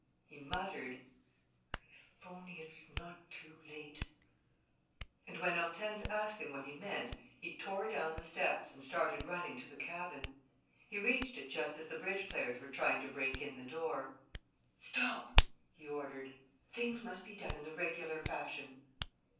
He muttered: "If only it's not too late!" And, when Hortense asked him what he meant, he tore down the steps and started running to the cabin. He reached it just as the bridge players were trying to break in the door: "Stop!" he ordered. "Things must be done in the regular fashion."